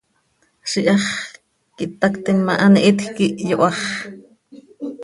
Ziix iháx quih httactim ma, an hihitj quih yoháx.